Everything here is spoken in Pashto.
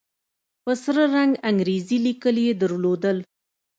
په سره رنگ انګريزي ليکل يې درلودل.